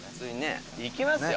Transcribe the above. いきますよ。